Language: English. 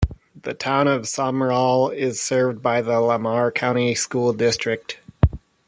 The Town of Sumrall is served by the Lamar County School District.